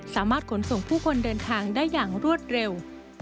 สามารถขนส่งผู้คนเดินทางได้อย่างรวดเร็ว